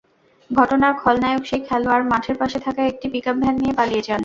ঘটনার খলনায়ক সেই খেলোয়াড় মাঠের পাশে থাকা একটি পিকআপ ভ্যান নিয়ে পালিয়ে যান।